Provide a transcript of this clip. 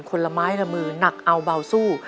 คนละไม้ละมือหนักเอาเบาสู้